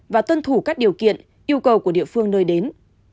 và tuân thủ các điều kiện yêu cầu của địa phương nơi đến